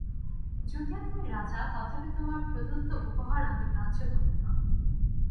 যদিও তুমি রাজা, তথাপি তোমার প্রদত্ত উপহার আমি গ্রাহ্য করি না।